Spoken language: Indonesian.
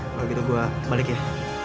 kalau gitu gue balik ya